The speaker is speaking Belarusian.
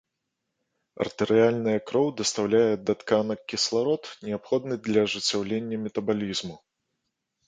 Артэрыяльная кроў дастаўляе да тканак кісларод, неабходны для ажыццяўлення метабалізму.